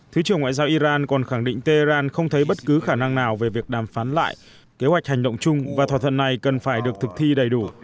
thứ trưởng ngoại giao iran còn khẳng định tehran không thấy bất cứ khả năng nào về việc đàm phán lại kế hoạch hành động chung và thỏa thuận này cần phải được thực thi đầy đủ